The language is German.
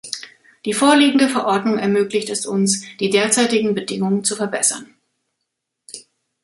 Die vorliegende Verordnung ermöglicht es uns, die derzeitigen Bedingungen zu verbessern.